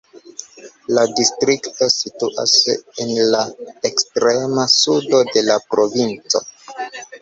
La distrikto situas en la ekstrema sudo de la provinco.